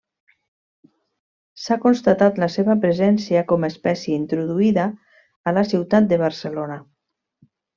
S'ha constatat la seva presència com a espècie introduïda a la ciutat de Barcelona.